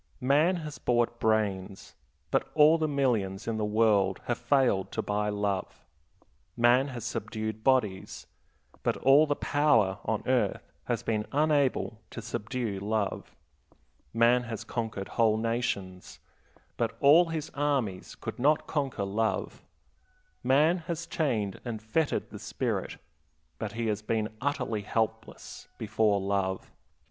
Man has bought brains, but all the millions in the world have failed to buy love. Man has subdued bodies, but all the power on earth has been unable to subdue love. Man has conquered whole nations, but all his armies could not conquer love. Man has chained and fettered the spirit, but he has been utterly helpless before love.